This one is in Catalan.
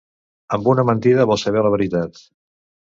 Amb una mentida vol saber la veritat.